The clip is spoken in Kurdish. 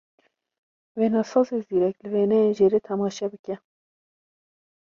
Wênesazê zîrek, li wêneyên jêrê temaşe bike.